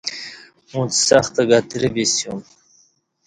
اُݩڅ سخت گترہ بِسیاسوم